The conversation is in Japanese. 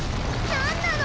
何なの？